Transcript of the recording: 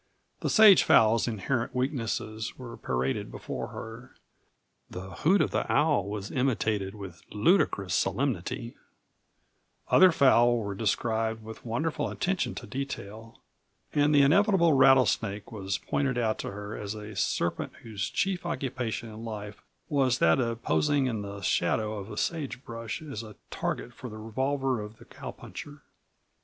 The sage fowl's inherent weaknesses were paraded before her; the hoot of the owl was imitated with ludicrous solemnity; other fowl were described with wonderful attention to detail; and the inevitable rattlesnake was pointed out to her as a serpent whose chief occupation in life was that of posing in the shadow of the sage brush as a target for the revolver of the cowpuncher.